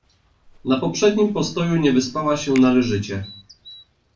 Na poprzednim postoju nie wyspała się należycie.